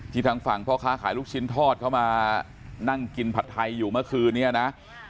ทางฝั่งพ่อค้าขายลูกชิ้นทอดเข้ามานั่งกินผัดไทยอยู่เมื่อคืนนี้นะ